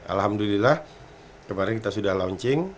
alhamdulillah kemarin kita sudah launching